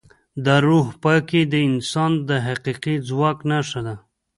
د روح پاکي د انسان د حقیقي ځواک نښه ده.